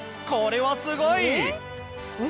これはすごい！